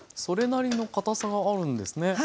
それなりの固さがあるんですね。